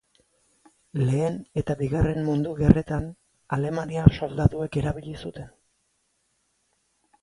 Lehen eta Bigarren Mundu Gerretan alemaniar soldaduek erabili zuten.